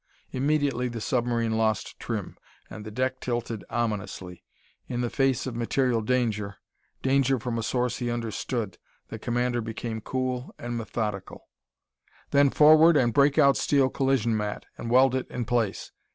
Immediately the submarine lost trim, and the deck tilted ominously. In the face of material danger danger from a source he understood the commander became cool and methodical. "Sea suits on!" he snapped. "Then forward and break out steel collision mat and weld it in place!